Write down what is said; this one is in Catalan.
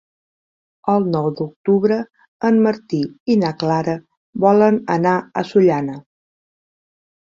El nou d'octubre en Martí i na Clara volen anar a Sollana.